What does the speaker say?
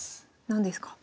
何ですか？